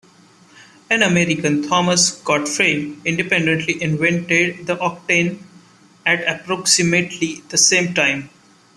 An American, Thomas Godfrey, independently invented the octant at approximately the same time.